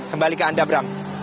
kembali ke anda bram